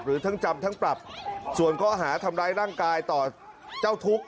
หรือทั้งจำทั้งปรับส่วนข้อหาทำร้ายร่างกายต่อเจ้าทุกข์